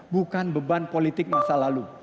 bukan beban politik masa lalu